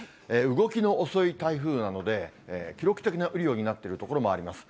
動きの遅い台風なので、記録的な雨量になっている所もあります。